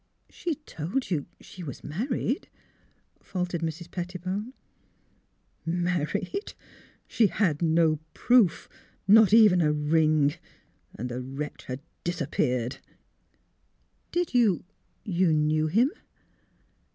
'' She told you she was — married? " faltered Mrs. Pettibone. '' Married f ... She had no proof — not even a ring. And the wretch had disappeared." '' Did you — you knew him